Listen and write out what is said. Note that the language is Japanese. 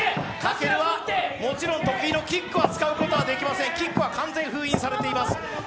もちろん得意のキックは使うことはできません、キックは封印されています。